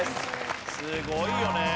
すごいよね。